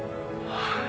ああ。